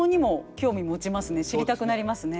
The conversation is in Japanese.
知りたくなりますね。